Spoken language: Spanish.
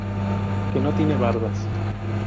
Que no tiene bardas.